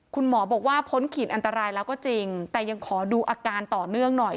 คุณหมอบอกว่าพ้นขีดอันตรายแล้วก็จริงแต่ยังขอดูอาการต่อเนื่องหน่อย